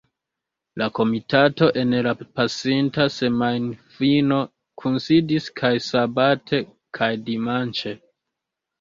La komitato en la pasinta semajnfino kunsidis kaj sabate kaj dimanĉe.